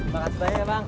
bang kasih banyak ya bang